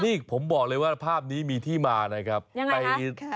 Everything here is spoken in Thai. นี่ผมบอกเลยว่าภาพนี้มีที่มานะครับยังไงครับ